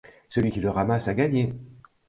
Celui qui le ramasse a gagné.